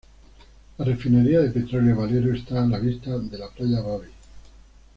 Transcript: La refinería de petróleo Valero está a la vista de la playa Baby.